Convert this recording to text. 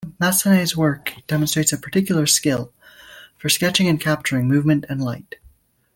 Massonet's work demonstrates a particular skill for sketching and capturing movement and light.